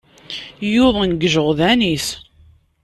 Yuḍen deg yijeɣdan-is.